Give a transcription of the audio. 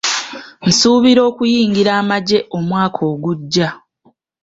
Nsuubira okuyingira amagye omwaka ogujja .